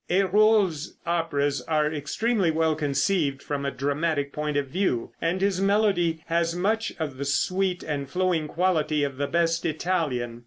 Hérold's operas are extremely well conceived from a dramatic point of view, and his melody has much of the sweet and flowing quality of the best Italian.